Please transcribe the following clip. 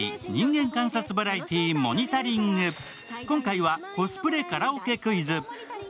今回はコスプレカラオケクイズ。